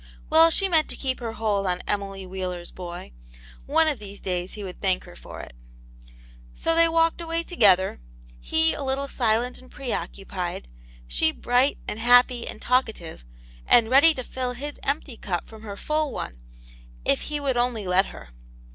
Well, she meant to keep her hold on Emily Wheeler's boy : one of these days he would thank her for it. So they walked away together ; he a little silent and pre occupied; she bright and happy and talk ative, and ready to fill his empty cup from her full one, if he would only let her.